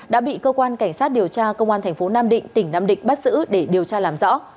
đã bị cơ quan cảnh sát điều tra công an thành phố nam định tỉnh nam định bắt giữ để điều tra làm rõ